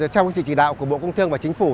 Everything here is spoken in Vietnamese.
trong sự chỉ đạo của bộ công thương và chính phủ